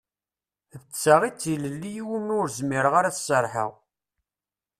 D ta i d tilelli iwumi ur zmireɣ ad as-serḥeɣ.